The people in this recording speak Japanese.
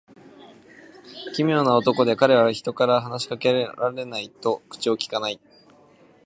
奇妙な男で、彼は人から話し掛けられないと口をきかない。